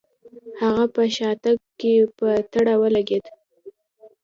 هغه په شاتګ کې په تړه ولګېد.